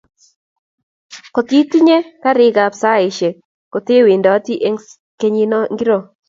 koteteinye karik ab saishek kotewendati eng' kenyit ngiro